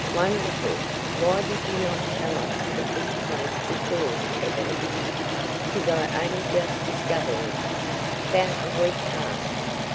"Wonderful! why did you not tell us of this place before, Ebony?" "'Cause I on'y just diskiver him, 'bout a week past.